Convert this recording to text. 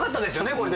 これで。